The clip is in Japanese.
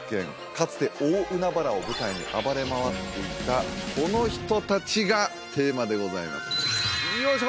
かつて大海原を舞台に暴れ回っていたこの人達がテーマでございますよいしょ！